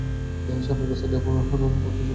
সামনের রাস্তাটি অপুর পথ হিসেবে পরিচিত।